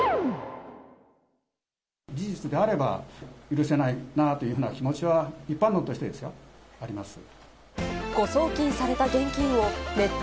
事実であれば、許せないなというような気持ちは、一般論としてですよ、あります。